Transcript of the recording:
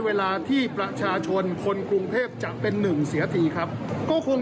เวลาที่ประชาชนคนกรุงเทพจะเป็นหนึ่งเสียทีครับก็คง